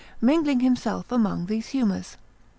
mingling himself among these humours.